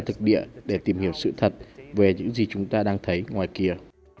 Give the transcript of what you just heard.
nhanh và sau đó đi ra thực địa để tìm hiểu sự thật về những gì chúng ta đang thấy ngoài kia